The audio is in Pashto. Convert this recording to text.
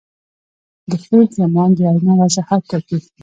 د فعل زمان د وینا وضاحت ټاکي.